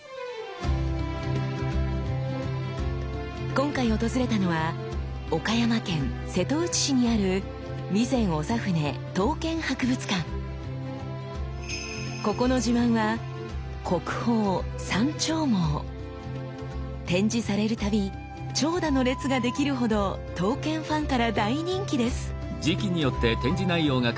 今回訪れたのは岡山県瀬戸内市にあるここの自慢は展示されるたび長蛇の列ができるほど刀剣ファンから大人気です。